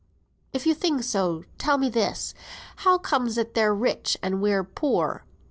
"If you think so, tell me this. How comes it they're rich, and we're poor?